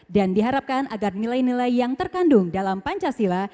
dan diharapkan agar nilai nilai yang terkandung dalam pancasila